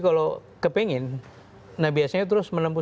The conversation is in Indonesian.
kalau kepengen nah biasanya terus menempuh